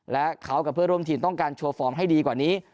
และเขากับเพื่อนร่วมทีมต้องการโชว์ฟอร์มให้ดีกว่านี้